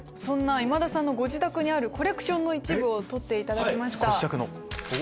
今田さんのご自宅にあるコレクションの一部を撮っていただきました。